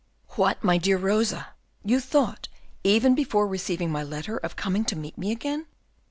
"What, my dear Rosa, you thought, even before receiving my letter, of coming to meet me again?"